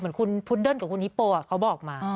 เหมือนคุณพุดเดิ้ลกับคุณฮิปโปเขาบอกมา